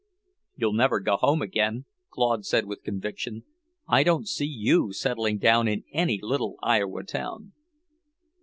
"You'll never go home again," Claude said with conviction. "I don't see you settling down in any little Iowa town."